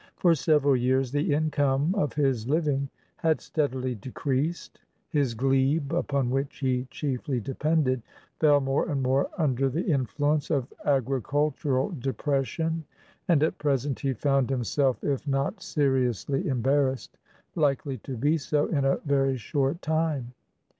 For several years the income of his living had steadily decreased; his glebe, upon which he chiefly depended, fell more and more under the influence of agricultural depression, and at present he found himself, if not seriously embarrassed, likely to be so in a very short time.